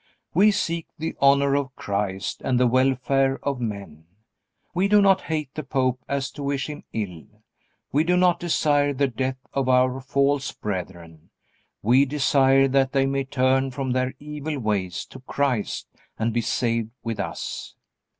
We seek the honor of Christ and the welfare of men. We do not hate the Pope as to wish him ill. We do not desire the death of our false brethren. We desire that they may turn from their evil ways to Christ and be saved with us.